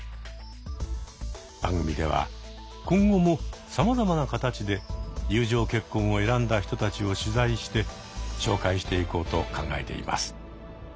番組では今後もさまざまな形で友情結婚を選んだ人たちを取材して紹介していこうと考えています。